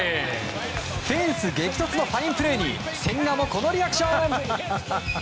フェンス激突のファインプレーに千賀もこのリアクション。